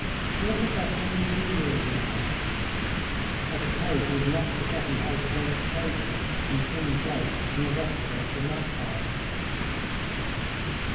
"A little better than two years, ma'am." "I suppose you have not forgotten how to wait at table, and clean plate, and the rest of it, in that time?"